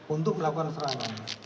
untuk melakukan perang